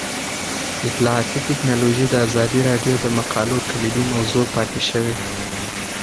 اطلاعاتی تکنالوژي د ازادي راډیو د مقالو کلیدي موضوع پاتې شوی.